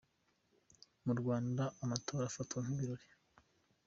Mu Rwanda amatora afatwa nk’ ibirori.